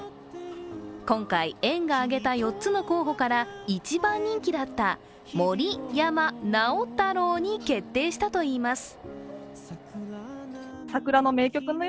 今回、園が挙げた４つの候補から一番人気だったモリ・ヤマ・ナオ・タロウに決定したといいます。